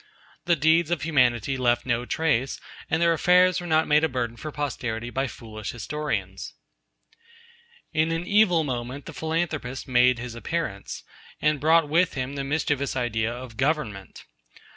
The deeds of humanity left no trace, and their affairs were not made a burden for posterity by foolish historians. In an evil moment the Philanthropist made his appearance, and brought with him the mischievous idea of Government.